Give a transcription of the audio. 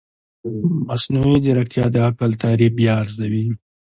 مصنوعي ځیرکتیا د عقل تعریف بیا ارزوي.